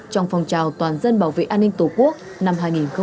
trong phòng trào toàn dân bảo vệ an ninh tổ quốc năm hai nghìn hai mươi bốn